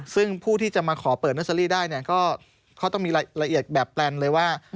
ซึ่งผู้ที่จะมาขอเปิดเนอร์เซอรี่ได้เนี่ยก็เขาต้องมีรายละเอียดแบบแปลนเลยว่า